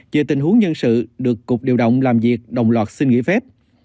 về tình huống nhân sự được cục điều động làm việc đồng loạt xin nghỉ phép